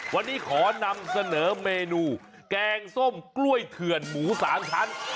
วันนี้ขอนำเสนอเมนูแกงส้มกล้วยเถื่อนหมู๓ชั้น